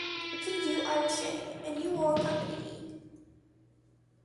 To please you, I will sing, and you will accompany me.